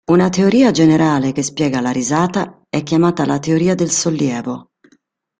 Una teoria generale che spiega la risata è chiamata la teoria del sollievo.